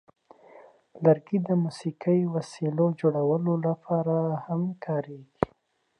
لرګي د موسیقي وسیلو جوړولو لپاره هم کارېږي.